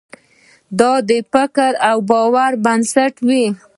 دا د فکر او باور پر بنسټ وي.